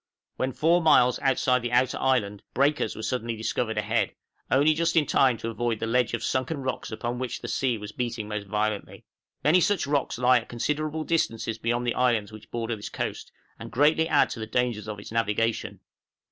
When four miles outside the outer island, breakers were suddenly discovered ahead, only just in time to avoid the ledge of sunken rocks upon which the sea was beating most violently. Many such rocks lie at considerable distances beyond the islands which border this coast, and greatly add to the dangers of its navigation.